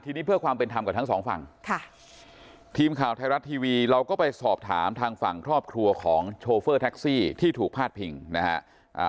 ทีนี้เพื่อความเป็นธรรมกับทั้งสองฝั่งค่ะทีมข่าวไทยรัฐทีวีเราก็ไปสอบถามทางฝั่งครอบครัวของโชเฟอร์แท็กซี่ที่ถูกพาดพิงนะฮะ